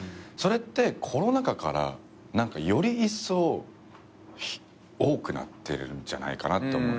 それってコロナ禍からよりいっそう多くなってるんじゃないかなって。